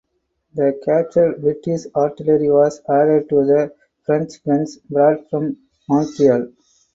The captured British artillery was added to the French guns brought from Montreal.